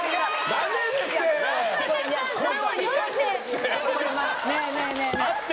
ダメですって！